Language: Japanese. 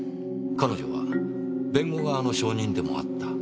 彼女は弁護側の証人でもあった。